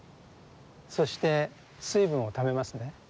そして水分をためますね。